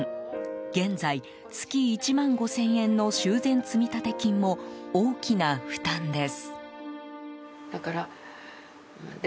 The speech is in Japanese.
現在、月１万５０００円の修繕積立金も大きな負担です。